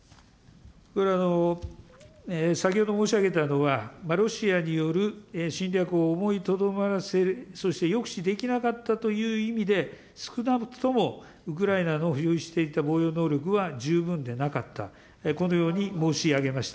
先ほど申し上げたのは、ロシアによる侵略を思いとどまらせ、そして抑止できなかったという意味で、少なくともウクライナの保有していた防衛能力は十分でなかった、このように申し上げました。